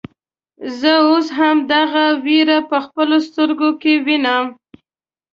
زه اوس هم دغه وير په خپلو سترګو وينم.